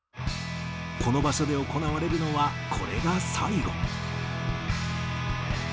この場所で行われるのはこれが最後。